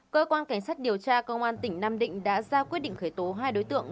cơ quan cảnh sát điều tra công an tỉnh nam định đã ra quyết định khởi tố hai đối tượng